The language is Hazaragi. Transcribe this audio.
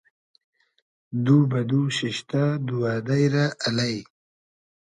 دو بۂ دو شیشتۂ دووئدݷ رۂ الݷ